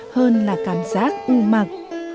hơn là cảm giác u mặc